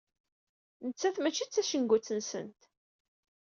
Nettat mačči d tacengut-nsent.